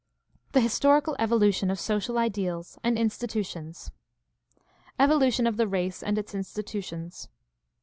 THE HISTORICAL EVOLUTION OF SOCIAL IDEALS AND INSTITUTIONS Evolution of the race and its institutions.